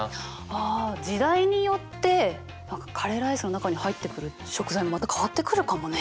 あ時代によってカレーライスの中に入ってくる食材もまた変わってくるかもね。